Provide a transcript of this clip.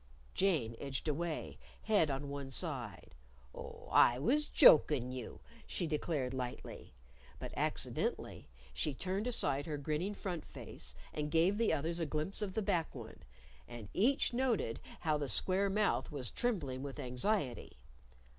Jane edged away, head on one side "Oh, I was jokin' you," she declared lightly. But accidentally she turned aside her grinning front face and gave the others a glimpse of the back one. And each noted how the square mouth was trembling with anxiety.